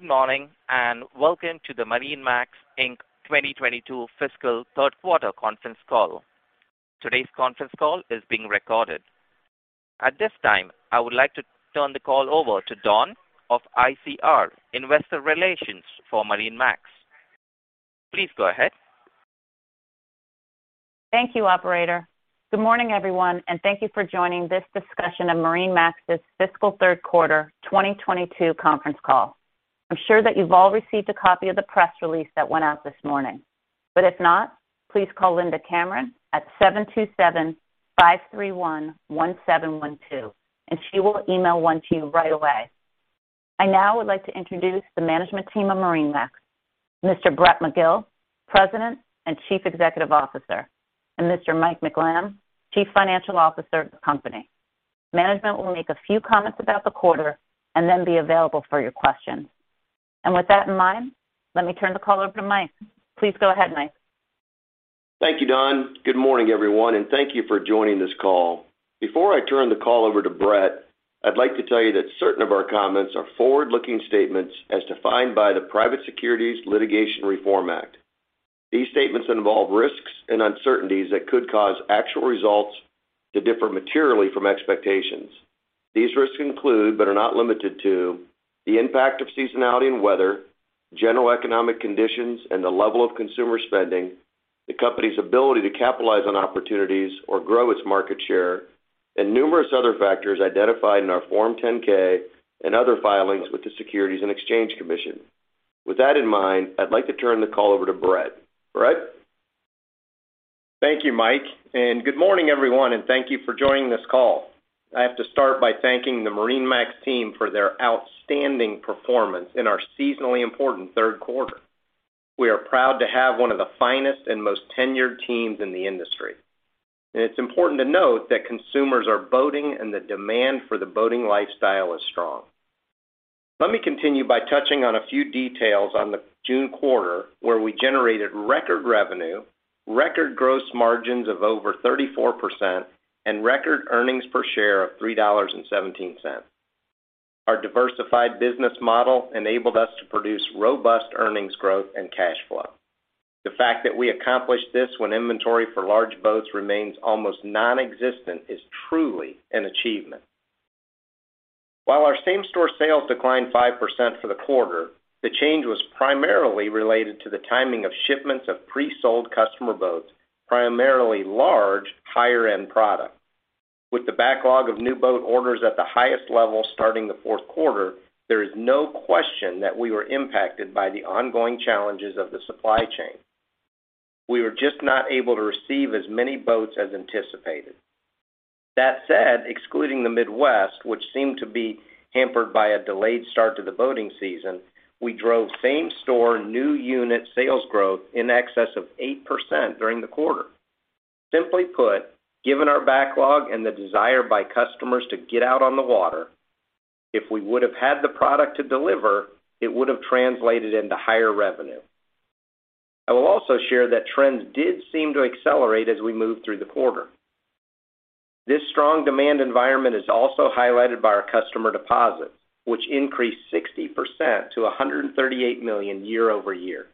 Good morning, and welcome to the MarineMax, Inc. 2022 fiscal third quarter conference call. Today's conference call is being recorded. At this time, I would like to turn the call over to Dawn from ICR Investor Relations for MarineMax. Please go ahead. Thank you, operator. Good morning, everyone, and thank you for joining this discussion of MarineMax's fiscal third quarter 2022 conference call. I'm sure that you've all received a copy of the press release that went out this morning, but if not, please call Linda Cameron at 727-531-1712, and she will email one to you right away. I now would like to introduce the management team of MarineMax, Mr. Brett McGill, President and Chief Executive Officer, and Mr. Mike McLamb, Chief Financial Officer of the company. Management will make a few comments about the quarter and then be available for your questions. With that in mind, let me turn the call over to Mike. Please go ahead, Mike. Thank you, Dawn. Good morning, everyone, and thank you for joining this call. Before I turn the call over to Brett, I'd like to tell you that certain of our comments are forward-looking statements as defined by the Private Securities Litigation Reform Act. These statements involve risks and uncertainties that could cause actual results to differ materially from expectations. These risks include, but are not limited to, the impact of seasonality and weather, general economic conditions and the level of consumer spending, the company's ability to capitalize on opportunities or grow its market share, and numerous other factors identified in our Form 10-K and other filings with the Securities and Exchange Commission. With that in mind, I'd like to turn the call over to Brett. Brett. Thank you, Mike. Good morning, everyone, and thank you for joining this call. I have to start by thanking the MarineMax team for their outstanding performance in our seasonally important third quarter. We are proud to have one of the finest and most tenured teams in the industry. It's important to note that consumers are boating and the demand for the boating lifestyle is strong. Let me continue by touching on a few details on the June quarter where we generated record revenue, record gross margins of over 34%, and record earnings per share of $3.17. Our diversified business model enabled us to produce robust earnings growth and cash flow. The fact that we accomplished this when inventory for large boats remains almost nonexistent is truly an achievement. While our same-store sales declined 5% for the quarter, the change was primarily related to the timing of shipments of pre-sold customer boats, primarily large, higher-end product. With the backlog of new boat orders at the highest level starting the fourth quarter, there is no question that we were impacted by the ongoing challenges of the supply chain. We were just not able to receive as many boats as anticipated. That said, excluding the Midwest, which seemed to be hampered by a delayed start to the boating season, we drove same-store new unit sales growth in excess of 8% during the quarter. Simply put, given our backlog and the desire by customers to get out on the water, if we would have had the product to deliver, it would have translated into higher revenue. I will also share that trends did seem to accelerate as we moved through the quarter. This strong demand environment is also highlighted by our customer deposits, which increased 60% to $138 million year-over-year.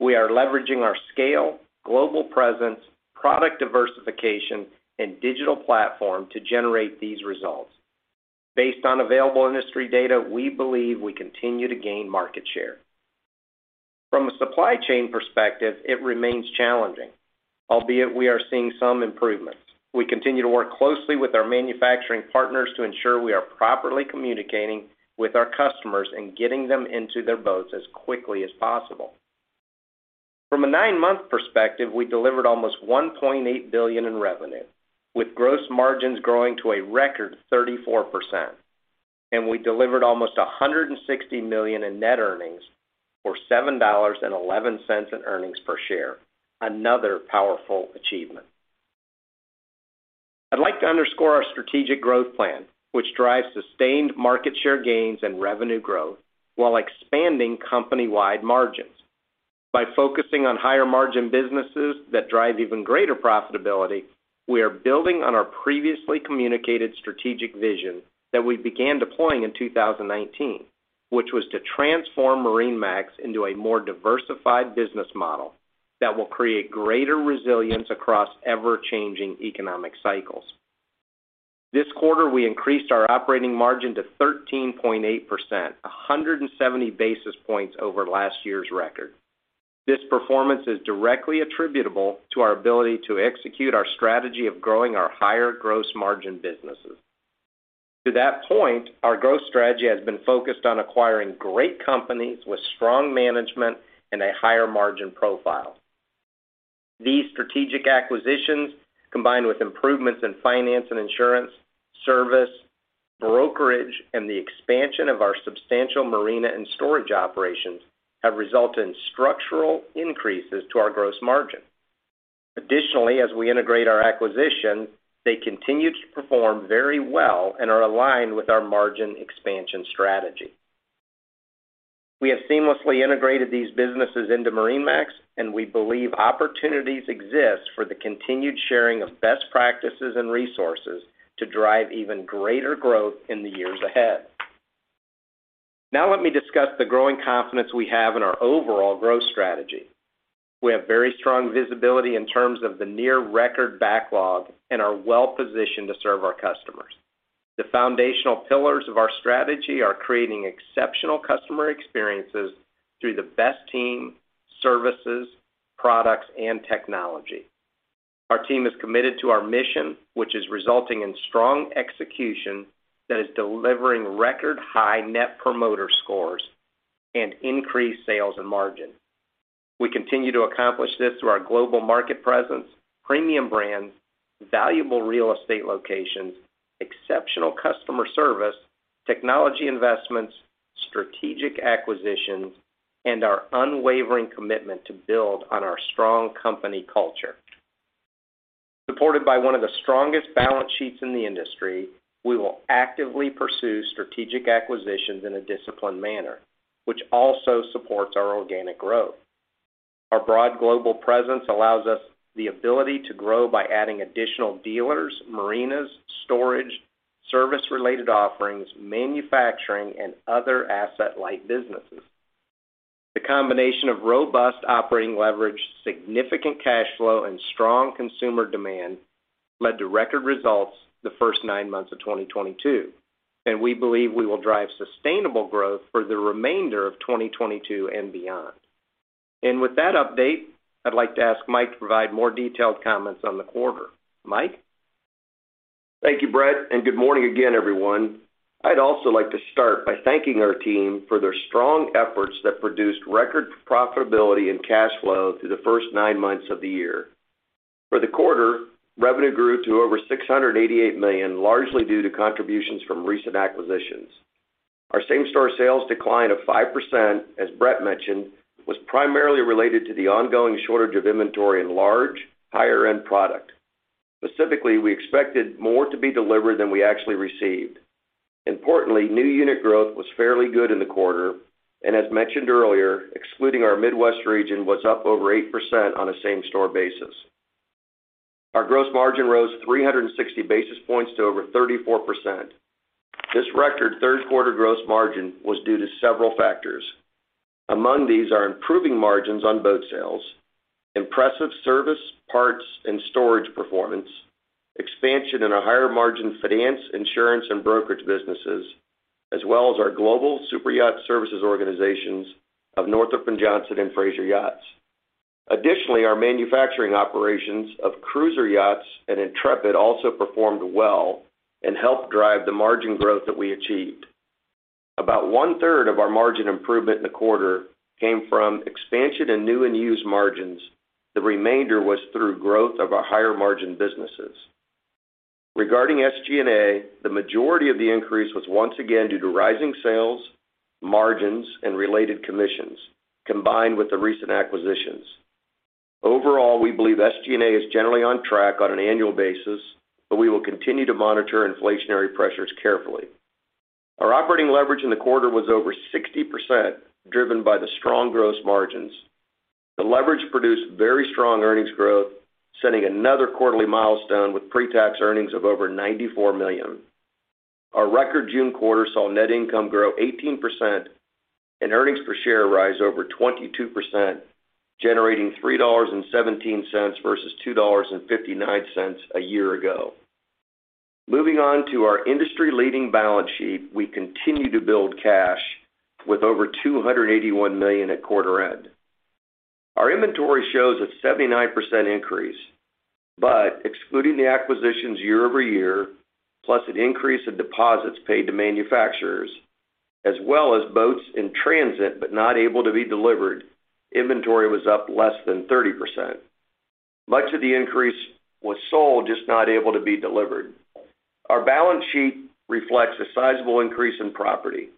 We are leveraging our scale, global presence, product diversification, and digital platform to generate these results. Based on available industry data, we believe we continue to gain market share. From a supply chain perspective, it remains challenging, albeit we are seeing some improvements. We continue to work closely with our manufacturing partners to ensure we are properly communicating with our customers and getting them into their boats as quickly as possible. From a nine-month perspective, we delivered almost $1.8 billion in revenue, with gross margins growing to a record 34%. We delivered almost $160 million in net earnings or $7.11 in earnings per share. Another powerful achievement. I'd like to underscore our strategic growth plan, which drives sustained market share gains and revenue growth while expanding company-wide margins. By focusing on higher-margin businesses that drive even greater profitability, we are building on our previously communicated strategic vision that we began deploying in 2019, which was to transform MarineMax into a more diversified business model that will create greater resilience across ever-changing economic cycles. This quarter, we increased our operating margin to 13.8%, 170 basis points over last year's record. This performance is directly attributable to our ability to execute our strategy of growing our higher gross margin businesses. To that point, our growth strategy has been focused on acquiring great companies with strong management and a higher margin profile. These strategic acquisitions, combined with improvements in finance and insurance, service, brokerage, and the expansion of our substantial marina and storage operations, have resulted in structural increases to our gross margin. Additionally, as we integrate our acquisition, they continue to perform very well and are aligned with our margin expansion strategy. We have seamlessly integrated these businesses into MarineMax, and we believe opportunities exist for the continued sharing of best practices and resources to drive even greater growth in the years ahead. Now let me discuss the growing confidence we have in our overall growth strategy. We have very strong visibility in terms of the near record backlog and are well-positioned to serve our customers. The foundational pillars of our strategy are creating exceptional customer experiences through the best team, services, products, and technology. Our team is committed to our mission, which is resulting in strong execution that is delivering record high Net Promoter Score and increased sales and margin. We continue to accomplish this through our global market presence, premium brands, valuable real estate locations, exceptional customer service, technology investments, strategic acquisitions, and our unwavering commitment to build on our strong company culture. Supported by one of the strongest balance sheets in the industry, we will actively pursue strategic acquisitions in a disciplined manner, which also supports our organic growth. Our broad global presence allows us the ability to grow by adding additional dealers, marinas, storage, service-related offerings, manufacturing, and other asset-light businesses. The combination of robust operating leverage, significant cash flow, and strong consumer demand led to record results the first nine months of 2022, and we believe we will drive sustainable growth for the remainder of 2022 and beyond. With that update, I'd like to ask Mike to provide more detailed comments on the quarter. Mike? Thank you, Brett, and good morning again, everyone. I'd also like to start by thanking our team for their strong efforts that produced record profitability and cash flow through the first nine months of the year. For the quarter, revenue grew to over $688 million, largely due to contributions from recent acquisitions. Our same-store sales decline of 5%, as Brett mentioned, was primarily related to the ongoing shortage of inventory in large, higher-end product. Specifically, we expected more to be delivered than we actually received. Importantly, new unit growth was fairly good in the quarter, and as mentioned earlier, excluding our Midwest region, was up over 8% on a same-store basis. Our gross margin rose 360 basis points to over 34%. This record third quarter gross margin was due to several factors. Among these are improving margins on boat sales, impressive service, parts, and storage performance, expansion in our higher-margin finance, insurance, and brokerage businesses, as well as our global superyacht services organizations of Northrop & Johnson and Fraser Yachts. Additionally, our manufacturing operations of Cruisers Yachts and Intrepid also performed well and helped drive the margin growth that we achieved. About one-third of our margin improvement in the quarter came from expansion in new and used margins. The remainder was through growth of our higher-margin businesses. Regarding SG&A, the majority of the increase was once again due to rising sales, margins, and related commissions, combined with the recent acquisitions. Overall, we believe SG&A is generally on track on an annual basis, but we will continue to monitor inflationary pressures carefully. Our operating leverage in the quarter was over 60%, driven by the strong gross margins. The leverage produced very strong earnings growth, setting another quarterly milestone with pre-tax earnings of over $94 million. Our record June quarter saw net income grow 18% and earnings per share rise over 22%, generating $3.17 versus $2.59 a year ago. Moving on to our industry-leading balance sheet, we continue to build cash with over $281 million at quarter end. Our inventory shows a 79% increase, but excluding the acquisitions year-over-year, plus an increase in deposits paid to manufacturers, as well as boats in transit but not able to be delivered, inventory was up less than 30%. Much of the increase was sold, just not able to be delivered. Our balance sheet reflects a sizable increase in property.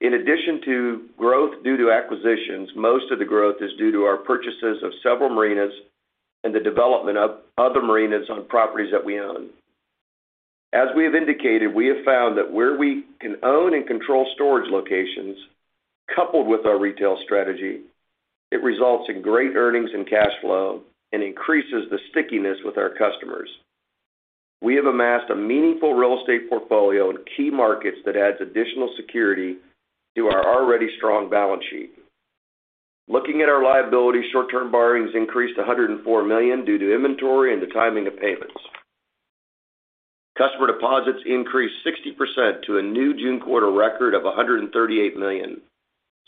In addition to growth due to acquisitions, most of the growth is due to our purchases of several marinas and the development of other marinas on properties that we own. As we have indicated, we have found that where we can own and control storage locations, coupled with our retail strategy, it results in great earnings and cash flow and increases the stickiness with our customers. We have amassed a meaningful real estate portfolio in key markets that adds additional security to our already strong balance sheet. Looking at our liability, short-term borrowings increased to $104 million due to inventory and the timing of payments. Customer deposits increased 60% to a new June quarter record of $138 million.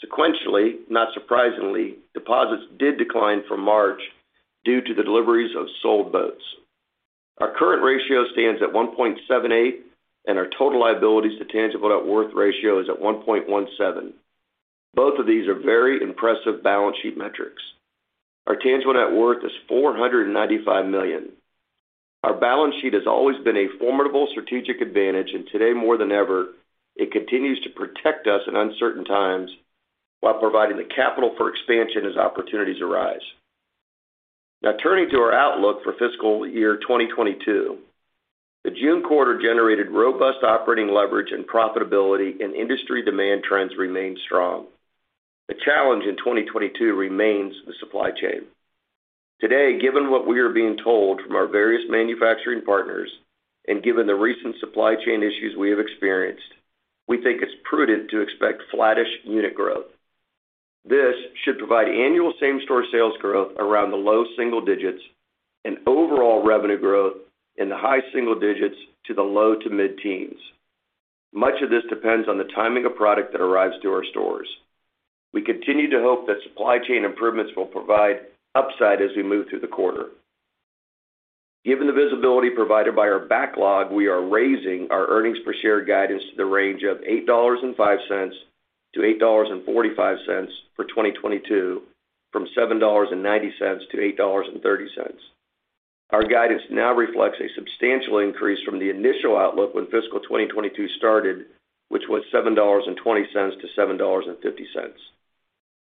Sequentially, not surprisingly, deposits did decline from March due to the deliveries of sold boats. Our current ratio stands at 1.78, and our total liabilities to tangible net worth ratio is at 1.17. Both of these are very impressive balance sheet metrics. Our tangible net worth is $495 million. Our balance sheet has always been a formidable strategic advantage, and today more than ever, it continues to protect us in uncertain times while providing the capital for expansion as opportunities arise. Now turning to our outlook for fiscal year 2022. The June quarter generated robust operating leverage and profitability, and industry demand trends remain strong. The challenge in 2022 remains the supply chain. Today, given what we are being told from our various manufacturing partners and given the recent supply chain issues we have experienced, we think it's prudent to expect flattish unit growth. This should provide annual same-store sales growth around the low single digits and overall revenue growth in the high single digits to the low to mid-teens. Much of this depends on the timing of product that arrives to our stores. We continue to hope that supply chain improvements will provide upside as we move through the quarter. Given the visibility provided by our backlog, we are raising our earnings per share guidance to the range of $8.05-$8.45 for 2022, from $7.90-$8.30. Our guidance now reflects a substantial increase from the initial outlook when fiscal 2022 started, which was $7.20-$7.50.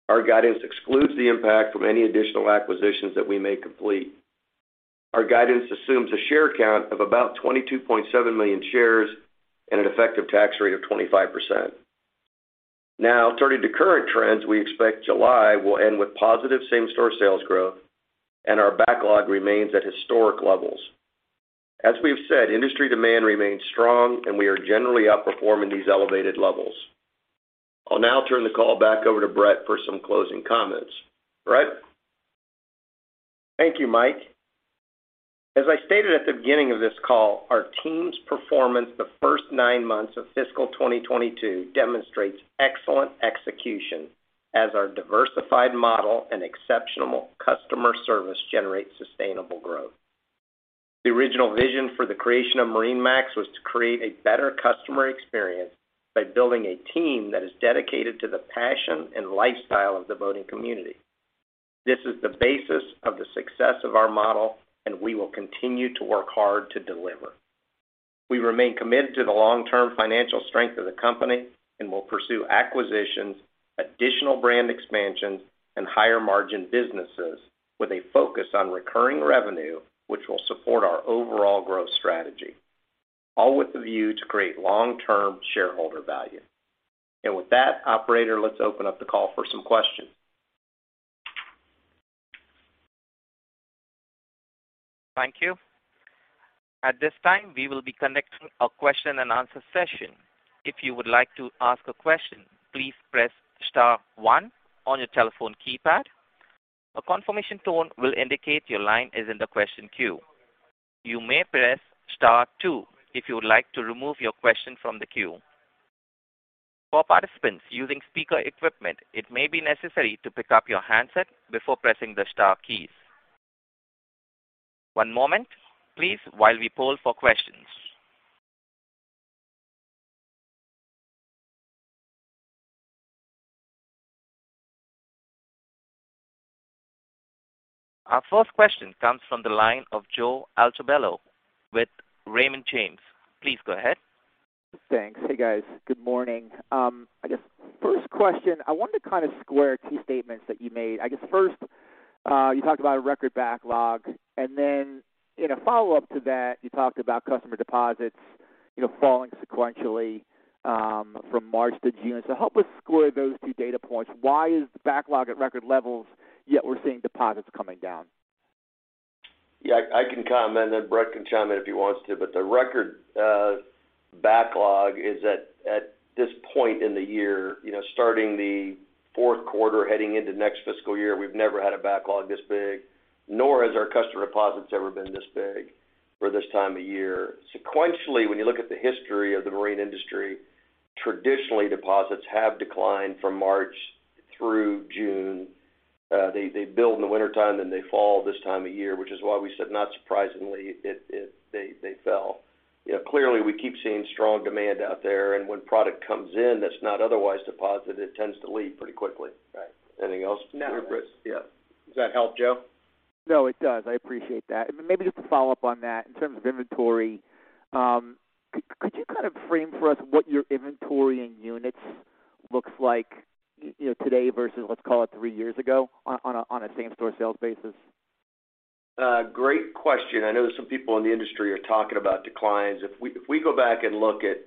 Our guidance excludes the impact from any additional acquisitions that we may complete. Our guidance assumes a share count of about 22.7 million shares and an effective tax rate of 25%. Now turning to current trends, we expect July will end with positive same-store sales growth, and our backlog remains at historic levels. As we've said, industry demand remains strong, and we are generally outperforming these elevated levels. I'll now turn the call back over to Brett for some closing comments. Brett? Thank you, Mike. As I stated at the beginning of this call, our team's performance the first nine months of fiscal 2022 demonstrates excellent execution as our diversified model and exceptional customer service generates sustainable growth. The original vision for the creation of MarineMax was to create a better customer experience by building a team that is dedicated to the passion and lifestyle of the boating community. This is the basis of the success of our model, and we will continue to work hard to deliver. We remain committed to the long-term financial strength of the company and will pursue acquisitions, additional brand expansions, and higher-margin businesses with a focus on recurring revenue, which will support our overall growth strategy, all with the view to create long-term shareholder value. With that, operator, let's open up the call for some questions. Thank you. At this time, we will be conducting a question-and-answer session. If you would like to ask a question, please press star one on your telephone keypad. A confirmation tone will indicate your line is in the question queue. You may press star two if you would like to remove your question from the queue. For participants using speaker equipment, it may be necessary to pick up your handset before pressing the star keys. One moment, please, while we poll for questions. Our first question comes from the line of Joe Altobello with Raymond James. Please go ahead. Thanks. Hey, guys. Good morning. I guess first question, I wanted to kind of square two statements that you made. I guess first, you talked about a record backlog, and then in a follow-up to that, you talked about customer deposits, you know, falling sequentially, from March to June. Help us square those two data points. Why is the backlog at record levels, yet we're seeing deposits coming down? Yeah, I can comment, then Brett can chime in if he wants to. The record backlog is at this point in the year, you know, starting the fourth quarter heading into next fiscal year. We've never had a backlog this big, nor has our customer deposits ever been this big for this time of year. Sequentially, when you look at the history of the marine industry, traditionally deposits have declined from March through June. They build in the wintertime, then they fall this time of year, which is why we said, not surprisingly, they fell. You know, clearly we keep seeing strong demand out there, and when product comes in that's not otherwise deposited, it tends to leave pretty quickly. Right. Anything else? No. Yeah. Does that help, Joe? No, it does. I appreciate that. Maybe just to follow up on that, in terms of inventory, could you kind of frame for us what your inventory in units looks like, you know, today versus, let's call it three years ago on a same-store sales basis? Great question. I know that some people in the industry are talking about declines. If we go back and look at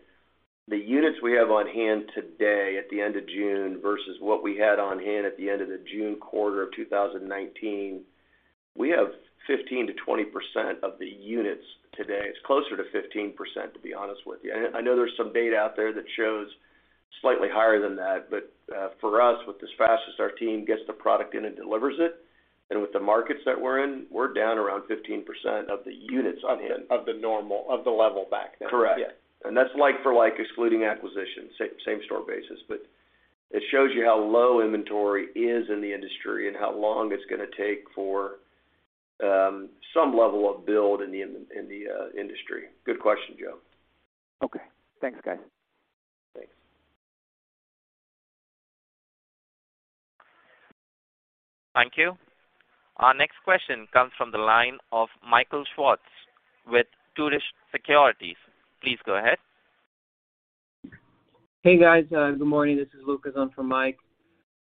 the units we have on hand today at the end of June versus what we had on hand at the end of the June quarter of 2019, we have 15%-20% of the units today. It's closer to 15%, to be honest with you. I know there's some data out there that shows slightly higher than that. For us, with as fast as our team gets the product in and delivers it, and with the markets that we're in, we're down around 15% of the units on hand. Of the normal level back then. Correct. Yeah. That's like for like, excluding acquisitions, same store basis. It shows you how low inventory is in the industry and how long it's gonna take for some level of build in the industry. Good question, Joe. Okay. Thanks, guys. Thanks. Thank you. Our next question comes from the line of Michael Swartz with Truist Securities. Please go ahead. Hey, guys. Good morning. This is Lucas on for Mike.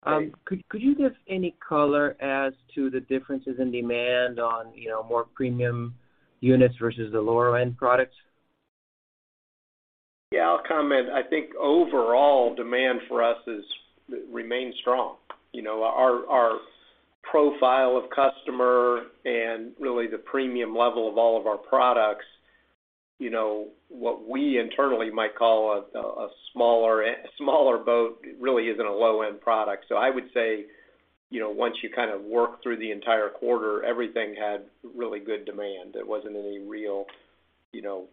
Hey. Could you give any color as to the differences in demand on, you know, more premium units versus the lower-end products? Yeah, I'll comment. I think overall demand for us remains strong. You know, our profile of customer and really the premium level of all of our products, you know, what we internally might call a smaller boat really isn't a low-end product. So I would say, you know, once you kind of work through the entire quarter, everything had really good demand. There wasn't any real, you know,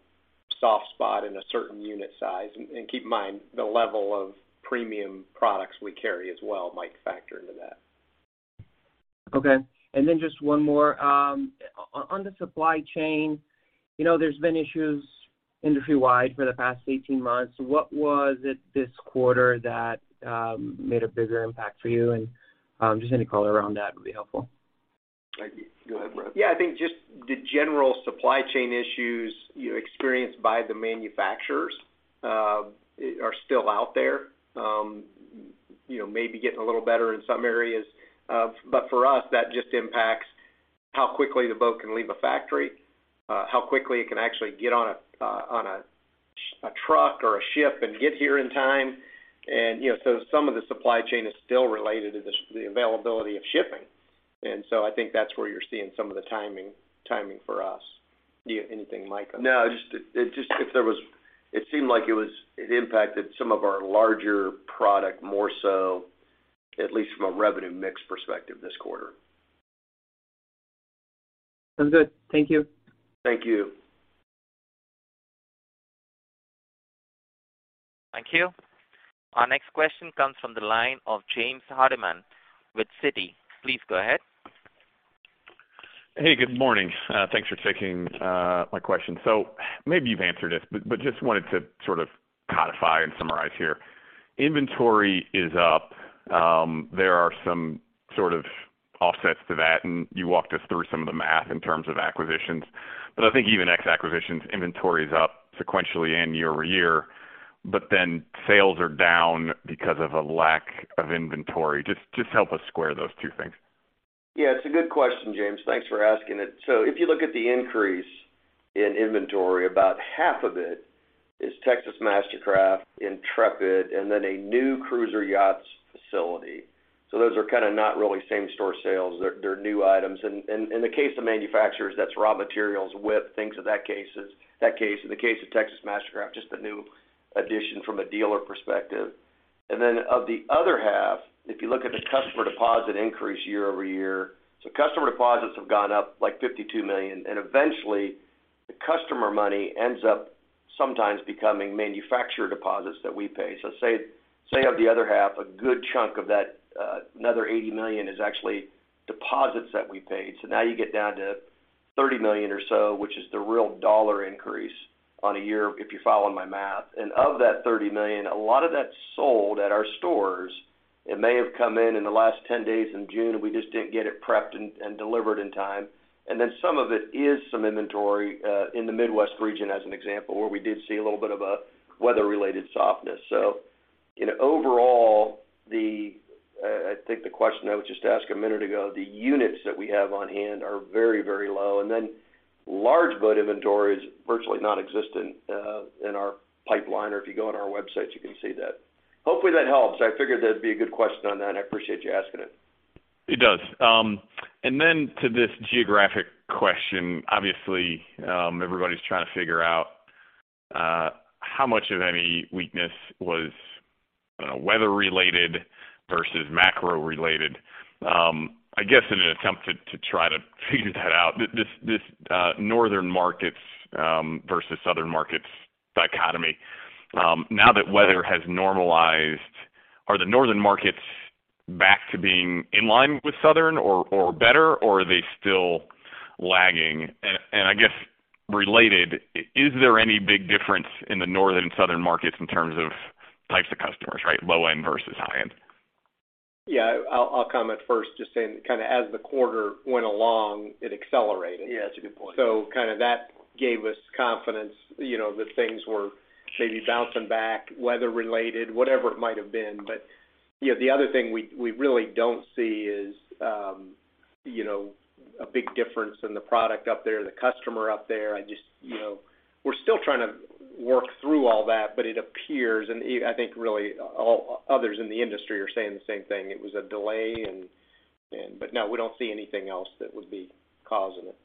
soft spot in a certain unit size. Keep in mind the level of premium products we carry as well might factor into that. Okay. Just one more. On the supply chain, you know, there's been issues industry-wide for the past 18 months. What was it this quarter that made a bigger impact for you? Just any color around that would be helpful. Go ahead, Brett McGill. Yeah. I think just the general supply chain issues experienced by the manufacturers are still out there. You know, maybe getting a little better in some areas. For us, that just impacts how quickly the boat can leave a factory, how quickly it can actually get on a truck or a ship and get here in time. You know, some of the supply chain is still related to the availability of shipping. I think that's where you're seeing some of the timing for us. Do you have anything, Mike? No, just if there was, it seemed like it was, it impacted some of our larger product more so, at least from a revenue mix perspective this quarter. Sounds good. Thank you. Thank you. Thank you. Our next question comes from the line of James Hardiman with Citi. Please go ahead. Hey, good morning. Thanks for taking my question. Maybe you've answered this, but just wanted to sort of codify and summarize here. Inventory is up. There are some sort of offsets to that, and you walked us through some of the math in terms of acquisitions. I think even ex acquisitions, inventory is up sequentially and year over year, but then sales are down because of a lack of inventory. Just help us square those two things. Yeah, it's a good question, James. Thanks for asking it. If you look at the increase in inventory, about half of it is Texas MasterCraft, Intrepid, and then a new Cruisers Yachts facility. Those are kinda not really same-store sales. They're new items. In the case of manufacturers, that's raw materials, WIP, things of that case. In the case of Texas MasterCraft, just the new addition from a dealer perspective. Of the other half, if you look at the customer deposit increase year-over-year, customer deposits have gone up, like, $52 million. Eventually, the customer money ends up sometimes becoming manufacturer deposits that we pay. Say of the other half, a good chunk of that, another $80 million is actually deposits that we paid. Now you get down to $30 million or so, which is the real dollar increase on a year if you're following my math. Of that $30 million, a lot of that's sold at our stores. It may have come in in the last 10 days in June, and we just didn't get it prepped and delivered in time. Then some of it is some inventory in the Midwest region, as an example, where we did see a little bit of a weather-related softness. You know, overall, I think the question I was just asked a minute ago, the units that we have on hand are very, very low. Then large boat inventory is virtually nonexistent in our pipeline, or if you go on our website, you can see that. Hopefully, that helps. I figured that'd be a good question on that. I appreciate you asking it. It does. To this geographic question, obviously, everybody's trying to figure out how much of any weakness was, I don't know, weather-related versus macro-related. I guess in an attempt to try to figure that out, this northern markets versus southern markets dichotomy, now that weather has normalized, are the northern markets back to being in line with southern or better, or are they still lagging? I guess related, is there any big difference in the northern and southern markets in terms of types of customers, right? Low-end versus high-end. Yeah. I'll comment first just saying kind of as the quarter went along, it accelerated. Yeah, that's a good point. Kinda that gave us confidence, you know, that things were maybe bouncing back, weather-related, whatever it might have been. You know, the other thing we really don't see is, you know, a big difference in the product up there, the customer up there. I just, you know, we're still trying to work through all that, but it appears, and I think really all others in the industry are saying the same thing, it was a delay and. No, we don't see anything else that would be causing it.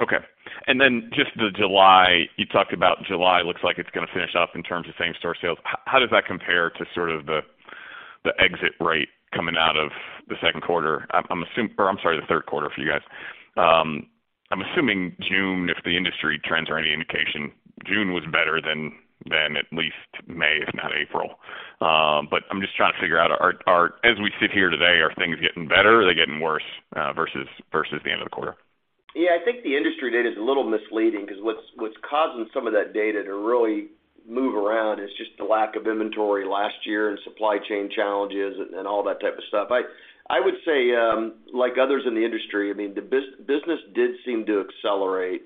Okay. Then just the July, you talked about July looks like it's gonna finish up in terms of same-store sales. How does that compare to sort of the exit rate coming out of the second quarter? Or I'm sorry, the third quarter for you guys. I'm assuming June, if the industry trends are any indication, June was better than at least May, if not April. I'm just trying to figure out as we sit here today, are things getting better or are they getting worse versus the end of the quarter? Yeah. I think the industry data is a little misleading because what's causing some of that data to really move around is just the lack of inventory last year and supply chain challenges and all that type of stuff. I would say, like others in the industry, I mean, the business did seem to accelerate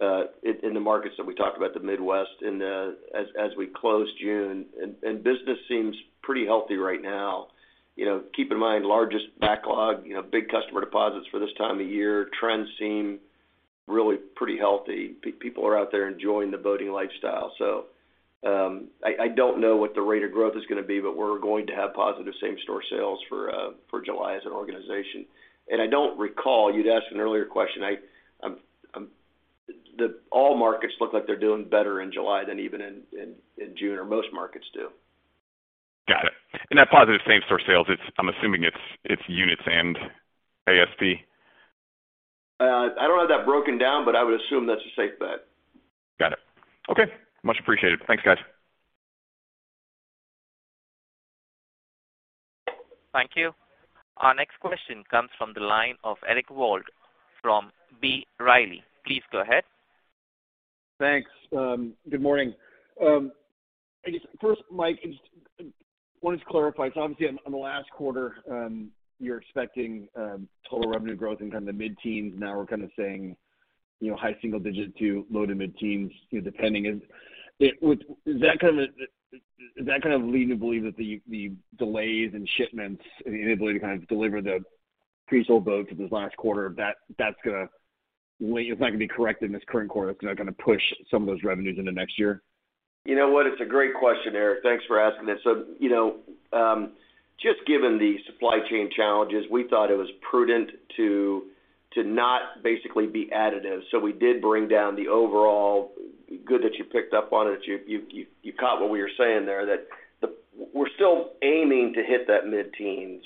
in the markets that we talked about, the Midwest and as we close June and business seems pretty healthy right now. You know, keep in mind, largest backlog, you know, big customer deposits for this time of year. Trends seem really pretty healthy. People are out there enjoying the boating lifestyle. I don't know what the rate of growth is gonna be, but we're going to have positive same-store sales for July as an organization. I don't recall, you'd asked an earlier question. All markets look like they're doing better in July than even in June, or most markets do. Got it. That positive same-store sales, I'm assuming it's units and ASP. I don't have that broken down, but I would assume that's a safe bet. Got it. Okay, much appreciated. Thanks, guys. Thank you. Our next question comes from the line of Eric Wold from B. Riley. Please go ahead. Thanks, good morning. I guess first, Mike, just want to just clarify, so obviously on the last quarter, you're expecting total revenue growth in kind of the mid-teens. Now we're kind of saying, you know, high single digit to low to mid-teens, you know, depending. Does that kind of lead you to believe that the delays in shipments and the inability to kind of deliver the pre-sold boats in this last quarter, that that's not gonna be corrected in this current quarter, it's kind of gonna push some of those revenues into next year? You know what? It's a great question, Eric. Thanks for asking it. You know, just given the supply chain challenges, we thought it was prudent to not basically be additive. We did bring down the overall. Good that you picked up on it, you caught what we were saying there, that we're still aiming to hit that mid-teens,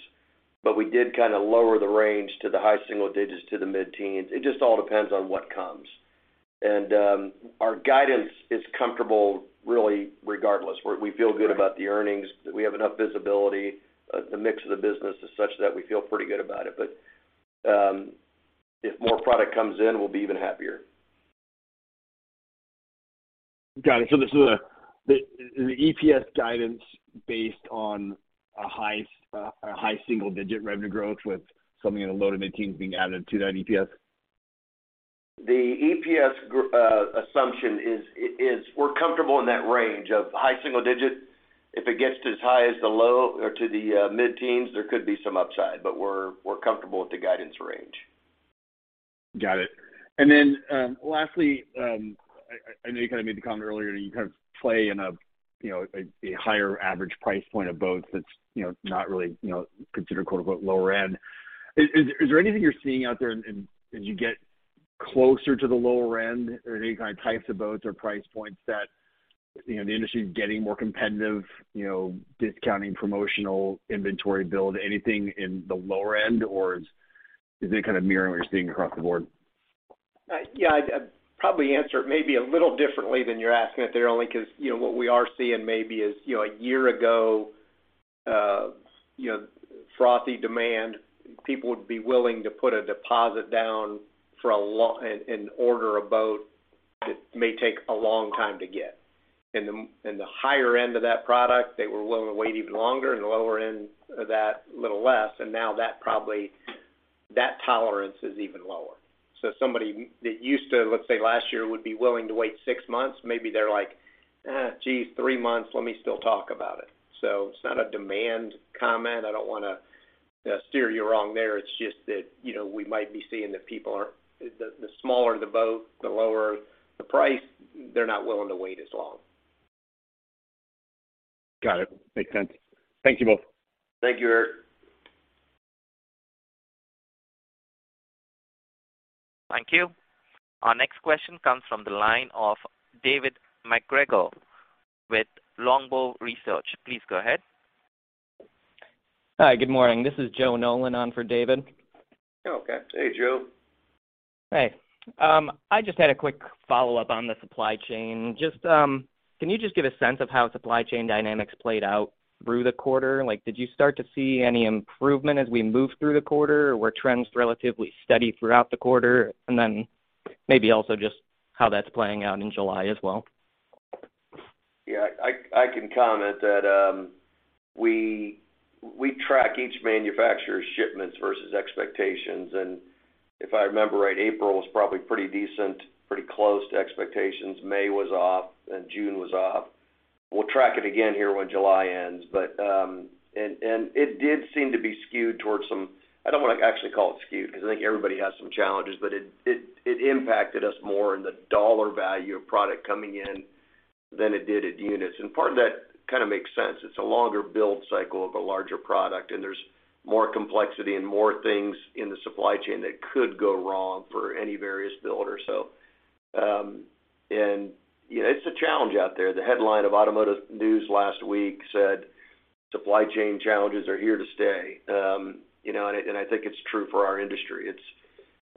but we did kind of lower the range to the high single digits to the mid-teens. It just all depends on what comes. Our guidance is comfortable really regardless. We feel good about the earnings. We have enough visibility. The mix of the business is such that we feel pretty good about it. If more product comes in, we'll be even happier. Got it. This is the EPS guidance based on a high single-digit revenue growth with something in the low to mid-teens being added to that EPS? The EPS assumption is we're comfortable in that range of high single digits. If it gets to as high as the low or to the mid-teens, there could be some upside. We're comfortable with the guidance range. Got it. Lastly, I know you kind of made the comment earlier that you kind of play in a you know a higher average price point of boats that's you know not really you know considered quote-unquote "lower end." Is there anything you're seeing out there and as you get closer to the lower end, are there any kind of types of boats or price points that you know the industry is getting more competitive you know discounting, promotional, inventory build, anything in the lower end? Or is it kind of mirroring what you're seeing across the board? Yeah, I'd probably answer it maybe a little differently than you're asking it there, only 'cause, you know, what we are seeing maybe is, you know, a year ago, you know, frothy demand, people would be willing to put a deposit down and order a boat that may take a long time to get. In the higher end of that product, they were willing to wait even longer. In the lower end of that, a little less. Now that tolerance is even lower. Somebody that used to, let's say last year, would be willing to wait six months, maybe they're like, "Eh, geez, three months, let me still talk about it." It's not a demand comment. I don't wanna steer you wrong there. It's just that, you know, we might be seeing that people aren't. The smaller the boat, the lower the price, they're not willing to wait as long. Got it. Makes sense. Thank you both. Thank you, Eric. Thank you. Our next question comes from the line of David MacGregor with Longbow Research. Please go ahead. Hi, good morning. This is Joe Nolan on for David. Okay. Hey, Joe. Hey. I just had a quick follow-up on the supply chain. Just, can you just give a sense of how supply chain dynamics played out through the quarter? Like did you start to see any improvement as we moved through the quarter? Or were trends relatively steady throughout the quarter? Then maybe also just how that's playing out in July as well? Yeah, I can comment that we track each manufacturer's shipments versus expectations. If I remember right, April was probably pretty decent, pretty close to expectations. May was off, and June was off. We'll track it again here when July ends. It did seem to be skewed. I don't wanna actually call it skewed, because I think everybody has some challenges, but it impacted us more in the dollar value of product coming in than it did at units. And part of that kind of makes sense. It's a longer build cycle of a larger product, and there's more complexity and more things in the supply chain that could go wrong for any various builder. You know, it's a challenge out there. The headline of Automotive News last week said, "Supply chain challenges are here to stay." You know, I think it's true for our industry.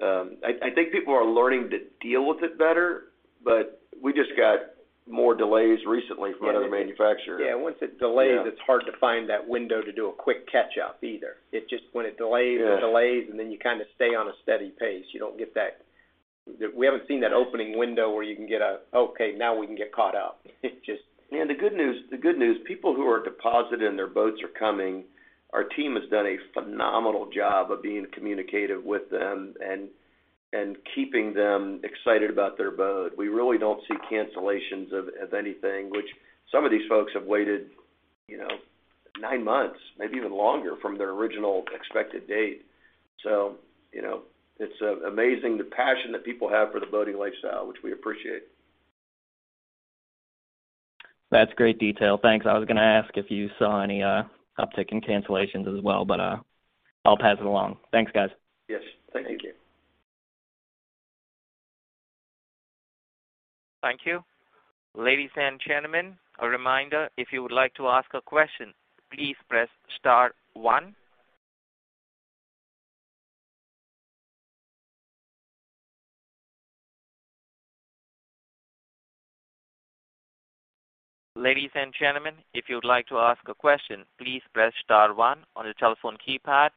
I think people are learning to deal with it better, but we just got more delays recently from another manufacturer. Yeah, once it delays. Yeah. It's hard to find that window to do a quick catch-up either. It just, when it delays. Yeah. It delays, and then you kind of stay on a steady pace. You don't get that. We haven't seen that opening window where you can get a, "Okay, now we can get caught up." It just- The good news, people who are depositing their boats are coming. Our team has done a phenomenal job of being communicative with them and keeping them excited about their boat. We really don't see cancellations of anything, which some of these folks have waited, you know, nine months, maybe even longer from their original expected date. You know, it's amazing the passion that people have for the boating lifestyle, which we appreciate. That's great detail. Thanks. I was gonna ask if you saw any uptick in cancellations as well, but I'll pass it along. Thanks, guys. Yes, thank you. Thank you. Thank you. Ladies and gentlemen, a reminder, if you would like to ask a question, please press star one. Ladies and gentlemen, if you would like to ask a question, please press star one on your telephone keypad.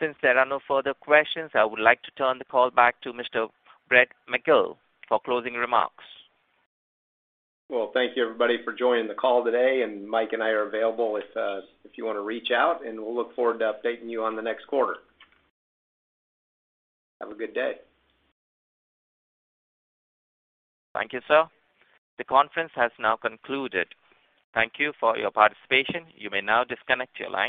Since there are no further questions, I would like to turn the call back to Mr. Brett McGill for closing remarks. Well, thank you everybody for joining the call today, and Mike and I are available if you wanna reach out, and we'll look forward to updating you on the next quarter. Have a good day. Thank you, sir. The conference has now concluded. Thank you for your participation. You may now disconnect your line.